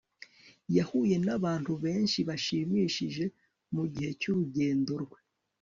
yahuye nabantu benshi bashimishije mugihe cyurugendo rwe